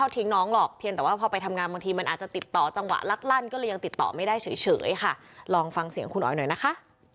บอกกรุงเทพฯไม่เหมือนหัดใหญ่นะ